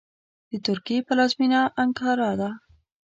د ترکیې پلازمېنه انکارا ده .